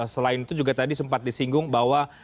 selain itu juga tadi sempat disinggung bahwa